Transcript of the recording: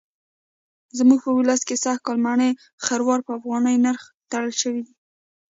زموږ په ولس کې سږکال مڼه خروار په افغانۍ نرخ تړل شوی دی.